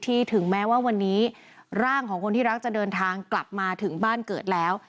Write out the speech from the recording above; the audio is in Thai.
ถึงแม้ว่าวันนี้ร่างของคนที่รักจะเดินทางกลับมาถึงบ้านเกิดแล้ว